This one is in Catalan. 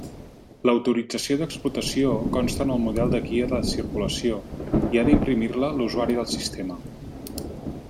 L'autorització d'explotació consta en el model de guia de circulació, i ha d'imprimir-la l'usuari del sistema.